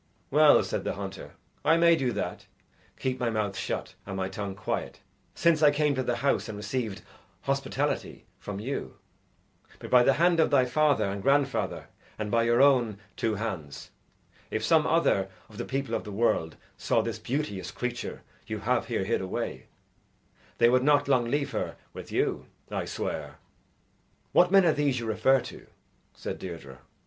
"Well," said the hunter, "I may do that keep my mouth shut and my tongue quiet, since I came to the house and received hospitality from you; but by the hand of thy father and grandfather, and by your own two hands, if some other of the people of the world saw this beauteous creature you have here hid away, they would not long leave her with you, I swear." "What men are these you refer to?" said Deirdre.